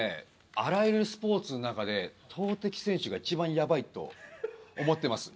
あらゆるスポーツの中で投てき選手が一番ヤバいと思ってます